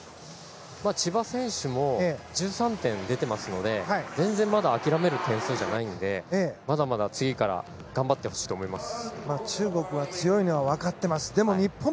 千葉選手も１３点出ていますので全然まだ諦める点数じゃないのでまだまだ次から頑張ってほしいと思います。